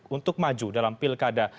untuk maju dalam pilkada